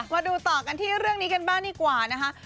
มาดูต่อกันที่เรื่องนี้กันบ้างดีกว่านะคะ